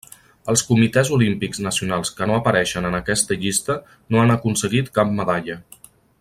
Els Comitès Olímpics Nacionals que no apareixen en aquesta llista no han aconseguit cap medalla.